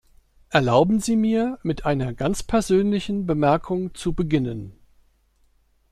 Erlauben Sie mir, mit einer ganz persönlichen Bemerkung zu beginnen.